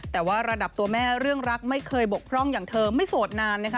แต่ว่าระดับตัวแม่เรื่องรักไม่เคยบกพร่องอย่างเธอไม่โสดนานนะคะ